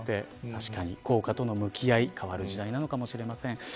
確かに、硬貨との向き合い方が変わる時代かもしれません。